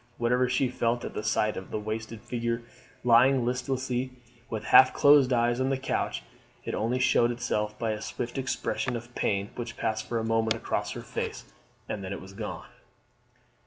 Whatever she felt at the sight of the wasted figure lying listlessly with half closed eyes on the couch, it only showed itself by a swift expression of pain which passed for a moment across her face and then was gone.